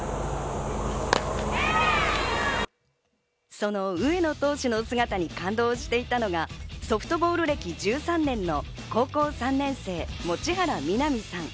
その上野投手の姿に感動していたのが、ソフトボール歴１３年の高校３年生、持原南さん。